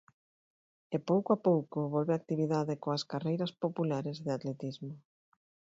E pouco a pouco volve a actividade coas carreiras populares de atletismo.